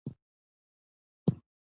د خټو کورونه په دوبي کې يخ وي.